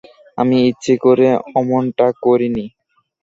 আমি ইচ্ছে করে অমনটা করিনি।